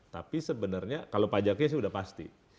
tapi sebenarnya kalau pajaknya sudah pasti